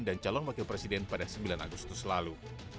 dan calon wakil presiden pada sembilan agustus lalu